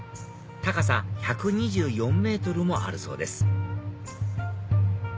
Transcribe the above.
高さ１２４ｍもあるそうです